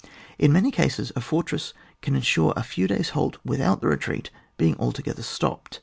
In many cases a fortress can ensure a few days' halt without the retreat being altogether stopped.